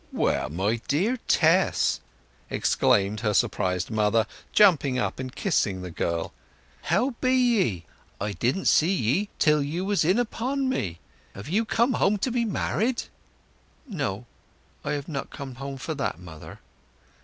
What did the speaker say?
"Well!—my dear Tess!" exclaimed her surprised mother, jumping up and kissing the girl. "How be ye? I didn't see you till you was in upon me! Have you come home to be married?" "No, I have not come for that, mother."